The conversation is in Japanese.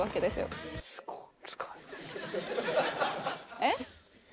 えっ？